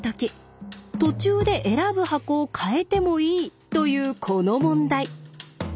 途中で選ぶ箱を変えてもいいというこの問題。